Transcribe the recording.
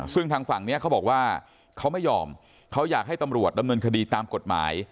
ซึ่งทางฝั่งนี้เขาบอกว่าเขาไม่ยอมเขาอยากให้ตำรวจดำเนินคดีตามกฎหมาย